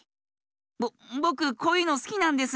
ぼぼくこういうのすきなんです。